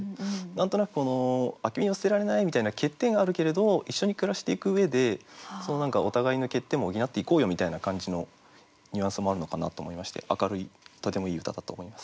何となく空き瓶を捨てられないみたいな欠点はあるけれど一緒に暮らしていく上で何かお互いの欠点も補っていこうよみたいな感じのニュアンスもあるのかなと思いまして明るいとてもいい歌だと思います。